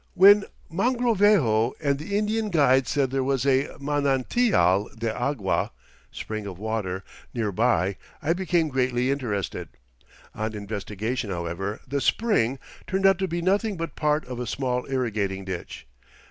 When Mogrovejo and the Indian guide said there was a manantial de agua ("spring of water") near by, I became greatly interested. On investigation, however, the" spring" turned out to be nothing but part of a small irrigating ditch.